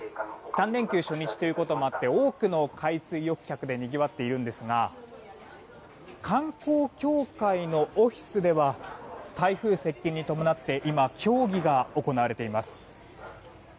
３連休初日ということもあって多くの海水浴客でにぎわっているんですが観光協会のオフィスでは台風接近に伴って今、協議が行われています。